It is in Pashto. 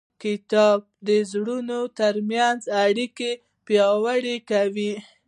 کتاب د زړونو ترمنځ اړیکې پیاوړې کوي.